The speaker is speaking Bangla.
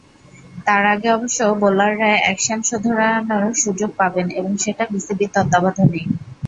তার আগে অবশ্য বোলাররা অ্যাকশন শোধরানোর সুযোগ পাবেন এবং সেটা বিসিবির তত্ত্বাবধানেই।